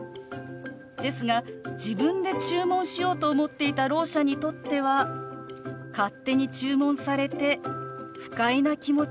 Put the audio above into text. ですが自分で注文しようと思っていたろう者にとっては勝手に注文されて不快な気持ちになりますよね。